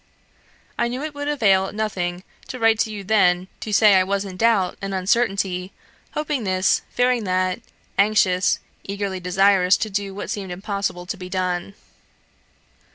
I knew it would avail nothing to write to you then to say I was in doubt and uncertainty hoping this, fearing that, anxious, eagerly desirous to do what seemed impossible to be done.